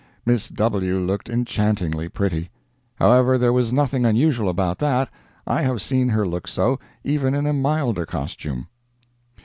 Miss W. looked enchantingly pretty; however, there was nothing unusual about that—I have seen her look so, even in a milder costume.